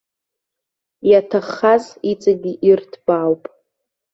Иаҭаххаз иҵегь ирҭбаауп.